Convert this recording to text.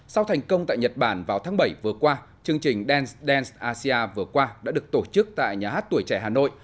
sau thành công tại nhật bản vào tháng bảy vừa qua chương trình dance dance asia vừa qua đã được tổ chức tại nhà hát tuổi trẻ hà nội